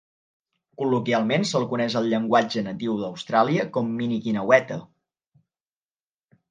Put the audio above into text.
Col·loquialment s'el coneix al llenguatge natiu d'Austràlia com "Mini Guineueta".